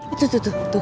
itu tuh tuh